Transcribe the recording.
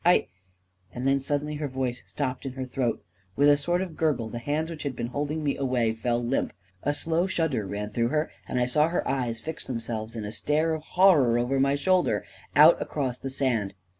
I ..." And then suddenly her voice stopped in her throat with a sort of gurgle, the hands which had been hold ing me away fell limp, a slow shudder ran through her, and I saw her eyes fix themselves in a stare of horror over my shoulder, out across the sand